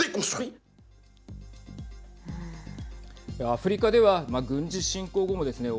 アフリカでは軍事侵攻後もですね